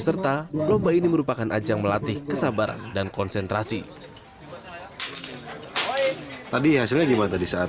kendalanya angin terus silau juga terus geraknya juga